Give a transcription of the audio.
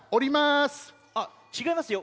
あっちがいますよ。